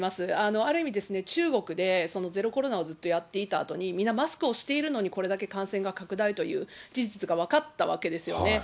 ある意味、中国でゼロコロナをずっとやっていたあとに、みんなマスクをしているのにこれだけ感染が拡大という事実が分かったわけですよね。